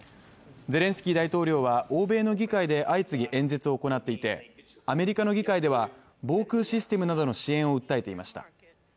ゼレンスキー大統領は欧米の議会で相次ぎ演説を行っていて、アメリカの議会では防空システムなどの支援を訴えていました。